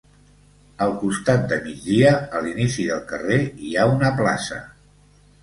Al costat de migdia, a l'inici del carrer, hi ha una plaça.